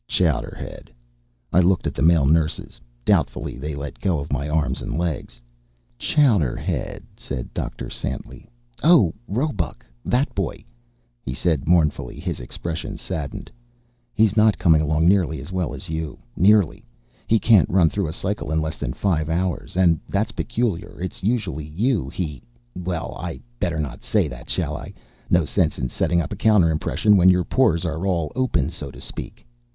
"Chowderhead." I looked at the male nurses. Doubtfully, they let go of my arms and legs. "Chowderhead," said Dr. Santly. "Oh Roebuck. That boy," he said mournfully, his expression saddened, "he's not coming along nearly as well as you. Nearly. He can't run through a cycle in less than five hours. And, that's peculiar, it's usually you he Well, I better not say that, shall I? No sense setting up a counter impression when your pores are all open, so to speak?"